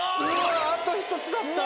あと１つだった！